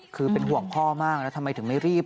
คือเป็นห่วงพ่อมากแล้วทำไมถึงไม่รีบ